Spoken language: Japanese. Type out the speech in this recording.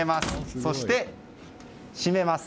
そして、閉めます。